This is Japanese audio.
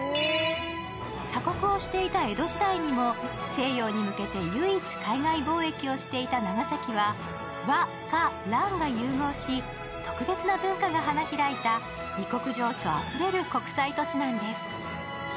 鎖国をしていた江戸時代にも西洋に向けて唯一海外貿易をしていた長崎は和・華・蘭が融合し特別な文化が花開いた異国情緒あふれる国際都市なんです。